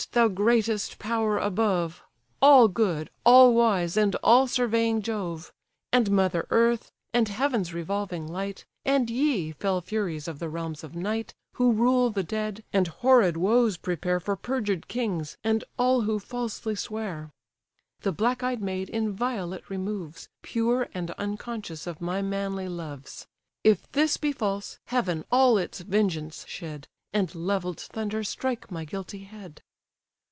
thou greatest power above, All good, all wise, and all surveying Jove! And mother earth, and heaven's revolving light, And ye, fell furies of the realms of night, Who rule the dead, and horrid woes prepare For perjured kings, and all who falsely swear! The black eyed maid inviolate removes, Pure and unconscious of my manly loves. If this be false, heaven all its vengeance shed, And levell'd thunder strike my guilty head!"